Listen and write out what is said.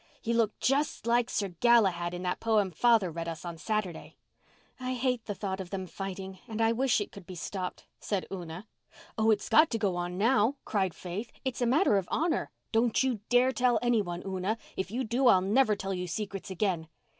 He looked just like Sir Galahad in that poem father read us on Saturday." "I hate the thought of them fighting and I wish it could be stopped," said Una. "Oh, it's got to go on now," cried Faith. "It's a matter of honour. Don't you dare tell anyone, Una. If you do I'll never tell you secrets again!"